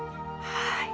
はい。